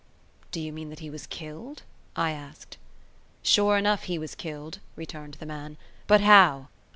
"Do you mean that he was killed?" I asked. "Sure enough, he was killed," returned the man. "But how?